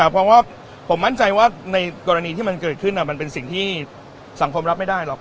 เพราะว่าผมมั่นใจว่าในกรณีที่มันเกิดขึ้นมันเป็นสิ่งที่สังคมรับไม่ได้หรอก